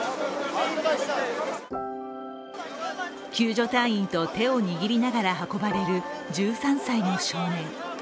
救助隊員と手を握りながら運ばれる１３歳の少年。